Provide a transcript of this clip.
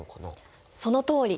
そのとおり。